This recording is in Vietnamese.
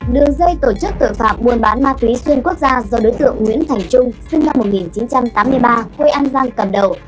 đường dây tổ chức tội phạm buôn bán ma túy xuyên quốc gia do đối tượng nguyễn thành trung sinh năm một nghìn chín trăm tám mươi ba quê an giang cầm đầu